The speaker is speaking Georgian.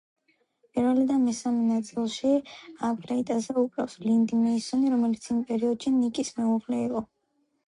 პირველი და მესამე ნაწილში ფლეიტაზე უკრავს ლინდი მეისონი, რომელიც იმ პერიოდში ნიკის მეუღლე იყო.